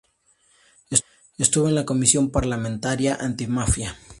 Estuvo en la Comisión parlamentaria Antimafia.